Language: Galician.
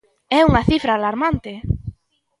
É unha cifra alarmante.